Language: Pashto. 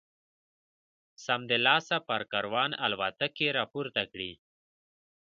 سمدلاسه پر کاروان الوتکې را پورته کړي.